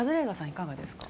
いかがですか？